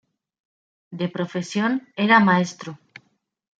De profesión era maestro.